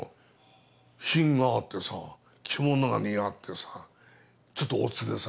品があってさ着物が似合ってさちょっとおつでさ。